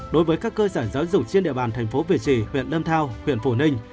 đối với các cơ sở giáo dục trên địa bàn thành phố việt trì huyện lâm thao huyện phù ninh